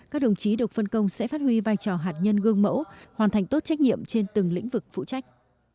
các đồng chí được phân công sẽ phát huy vai trò hạt nhân gương mẫu hoàn thành tốt trách nhiệm trên từng lĩnh vực phụ trách